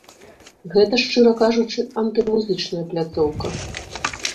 Гэта, шчыра кажучы, антымузычная пляцоўка.